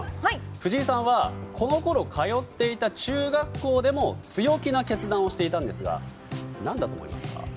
藤井さんはこのころ通っていた中学校でも強気な決断をしていたんですが何だと思いますか？